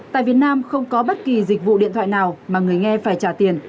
tại việt nam không có bất kỳ dịch vụ điện thoại nào mà người nghe phải trả tiền